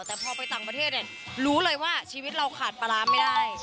แต่พอไปต่างประเทศรู้เลยว่าชีวิตเราขาดปลาร้าไม่ได้